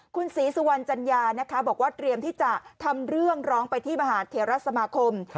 คุณศรีสุวรรณจัญญานะคะบอกว่าเตรียมที่จะทำเรื่องร้องไปที่มหาเทราสมาคม